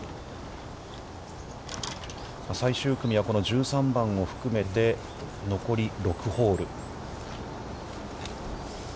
最終組は、こそ１３番を含めて、残り６ホール。